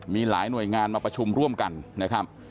มีหลายหน่วยงานมาประชุมร่วมกันนะครับ